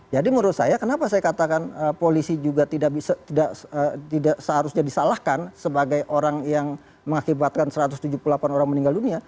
jadi menurut saya kenapa saya katakan polisi juga tidak seharusnya disalahkan sebagai orang yang mengakibatkan satu ratus tujuh puluh delapan orang meninggal dunia